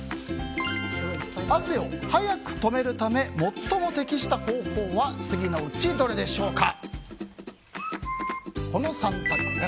汗を早く止めるのに最も適した方法は次のうちどれでしょうか？